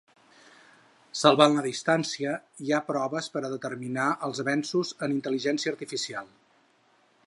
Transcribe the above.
Salvant la distància, hi ha proves per a determinar els avenços en intel·ligència artificial.